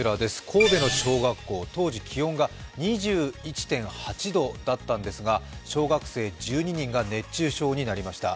神戸の小学校、当時気温が２１．８度だったんですが、小学生１２人が熱中症になりました。